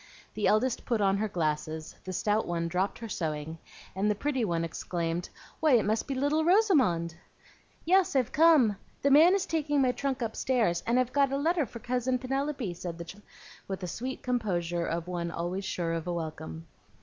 The eldest put on her glasses, the stout one dropped her sewing, and the pretty one exclaimed, "Why, it must be little Rosamond!" "Yes, I've come; the man is taking my trunk upstairs, and I've got a letter for Cousin Penelope," said the child, with the sweet composure of one always sure of a welcome.